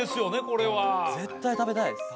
これは絶対食べたいです